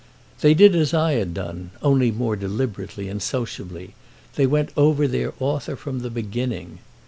They did as I had done, only more deliberately and sociably—they went over their author from the beginning.